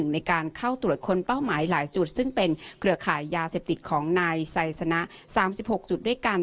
ในการเข้าตรวจค้นเป้าหมายหลายจุดซึ่งเป็นเครือข่ายยาเสพติดของนายไซสนะ๓๖จุดด้วยกัน